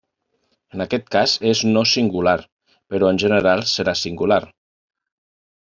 En aquest cas és no singular, però en general serà singular.